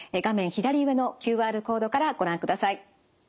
左上のＱＲコードからご覧ください。